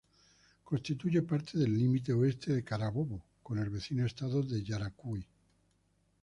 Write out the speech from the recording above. Constituye parte del límite oeste de Carabobo con el vecino estado de Yaracuy.